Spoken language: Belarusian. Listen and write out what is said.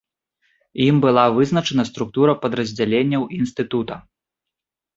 Ім была вызначана структура падраздзяленняў інстытута.